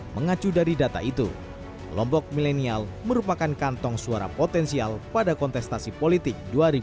mengacu dari data itu kelompok milenial merupakan kantong suara potensial pada kontestasi politik dua ribu dua puluh